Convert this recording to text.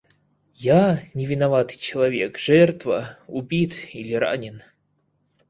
Я, невиноватый человек, жертва — убит или ранен.